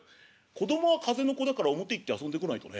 「子供は風の子だから表行って遊んでこないとね」。